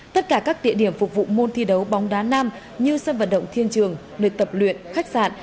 tất cả các địa điểm phục vụ môn thi đấu bóng đá nam như sân vận động thiên trường nơi tập luyện khách sạn